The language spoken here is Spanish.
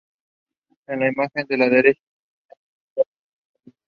En la imagen de la derecha se señalan sus partes principales.